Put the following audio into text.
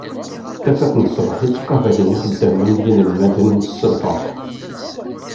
Tafat n sbeḥ i ttqabalen yixeddamen d yinelmaden s lferḥ.